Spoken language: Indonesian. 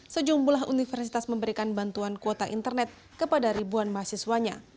sejumlah universitas memberikan bantuan kuota internet kepada ribuan mahasiswanya